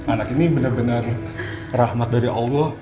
anak ini bener bener rahmat dari allah